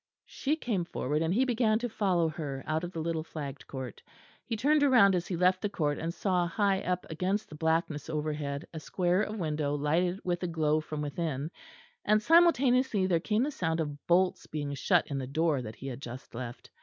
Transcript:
She came forward, and he began to follow her out of the little flagged court. He turned round as he left the court and saw high up against the blackness overhead a square of window lighted with a glow from within; and simultaneously there came the sound of bolts being shut in the door that he had just left.